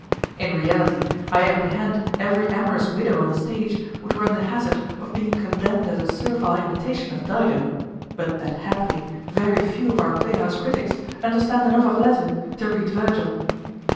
In reality, I apprehend every amorous widow on the stage would run the hazard of being condemned as a servile imitation of Dido, but that happily very few of our play house critics understand enough of Latin to read Virgil.